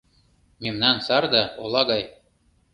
Мемнан Сарда ола гай.